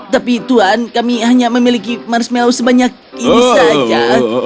tapi tuhan kami hanya memiliki marshmal sebanyak ini saja